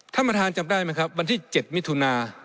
ท่านประธานจำได้ไหมครับวันที่๗มิถุนา